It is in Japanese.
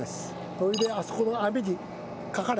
これであそこの網にかかれ。